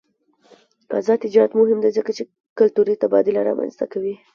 آزاد تجارت مهم دی ځکه چې کلتوري تبادله رامنځته کوي.